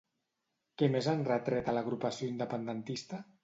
Què més han retret a l'agrupació independentista?